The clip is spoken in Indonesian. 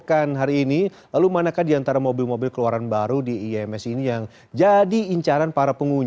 tahun ini indonesia international motor show atau iems digelar di jxpo kemayoran jakarta pusat